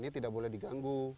ini tidak boleh diganggu